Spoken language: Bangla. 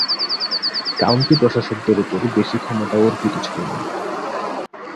কাউন্টি প্রশাসকদের উপর বেশি ক্ষমতা অর্পিত ছিলনা।